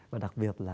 và đặc biệt là